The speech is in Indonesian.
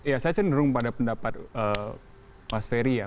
ya saya cenderung pada pendapat mas ferry ya